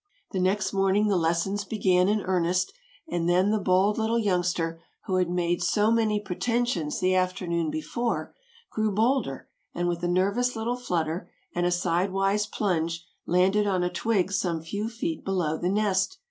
The next morning the lessons began in earnest, and then the bold little youngster, who had made so many pretentions the afternoon before, grew bolder and with a nervous little flutter and a sidewise plunge landed on a twig some few feet below the nest.